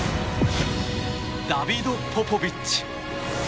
ダビド・ポポビッチ。